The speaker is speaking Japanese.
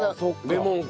レモンか。